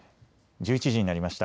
１１時になりました。